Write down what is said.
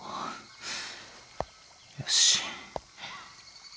よし。